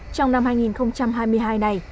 trong năm hai nghìn hai mươi hai này